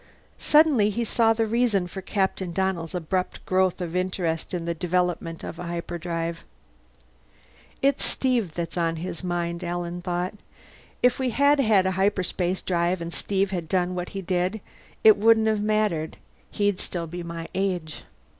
Suddenly he saw the reason for Captain Donnell's abrupt growth of interest in the development of a hyperdrive. It's Steve that's on his mind, Alan thought. _If we had had a hyperspace drive and Steve had done what he did, it wouldn't have mattered. He'd still be my age.